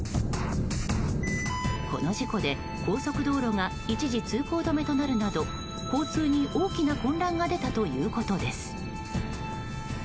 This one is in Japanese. この事故で、高速道路が一時通行止めとなるなど交通に大きな混乱が出たということです。